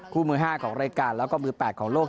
คู่๑๕ของรายการแล้วก็๑๘ของโลก